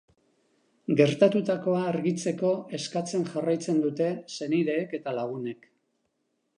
Gertatutakoa argitzeko eskatzen jarraitzen dute senideek eta lagunek.